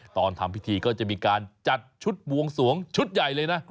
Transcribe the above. ตอนทำพิธีก็จะมีการจัดชุดบวงสวงชุดใหญ่เลยนะ